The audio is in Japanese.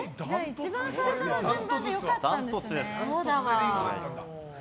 一番最初の順番で良かったんだね。